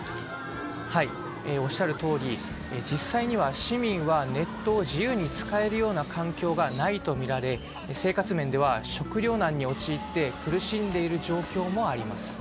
おっしゃるとおり、実際には市民はネットを自由に使える環境がないとみられ生活面では食糧難に陥って苦しんでいる状況もあります。